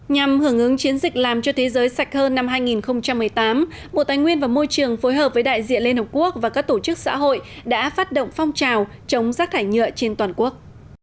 nhằm hưởng ứng chiến dịch làm cho thế giới sạch hơn năm hai nghìn một mươi tám bộ tài nguyên và môi trường phối hợp với đại diện liên hợp quốc và các tổ chức xã hội đã phát động phong trào chống rác thải nhựa trên toàn quốc